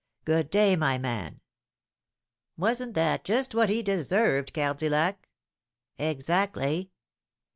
Good day, my man.'" "Wasn't that just what he deserved, Cardillac?" "Exactly."